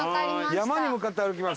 山に向かって歩きます。